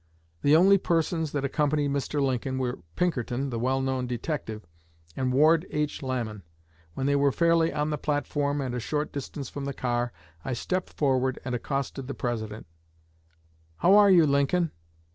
The only persons that accompanied Mr. Lincoln were Pinkerton, the well known detective, and Ward H. Lamon. When they were fairly on the platform, and a short distance from the car, I stepped forward and accosted the President: 'How are you, Lincoln?'